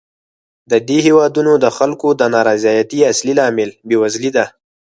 د دې هېوادونو د خلکو د نا رضایتۍ اصلي لامل بېوزلي ده.